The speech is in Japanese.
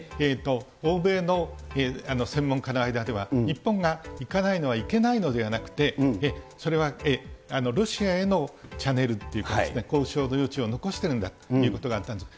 欧米の専門家の間では、日本が行かないのは行けないのではなくて、それはロシアへのチャネルっていうか、交渉の余地を残してるんだということがあったんだと。